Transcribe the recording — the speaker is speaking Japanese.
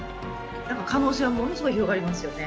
可能性はものすごい広がりますよね。